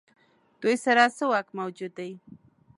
دوی سره څه واک موجود دی.